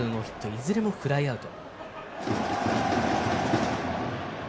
いずれもフライアウト。